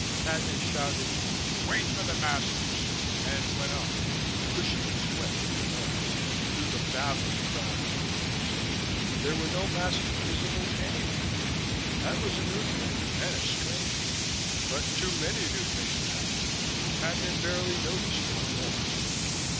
Cadnan shouted: "Wait for the masters," and went on, pushing his way through the noise, through the babbling crowd of Alberts. There were no masters visible anywhere: that was a new thing and a strange one, but too many new things were happening. Cadnan barely noticed one more.